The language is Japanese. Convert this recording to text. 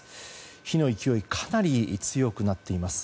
火の勢いかなり強くなっています。